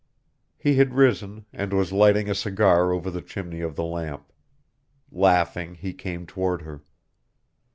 He had risen, and was lighting a cigar over the chimney of the lamp. Laughing, he came toward her.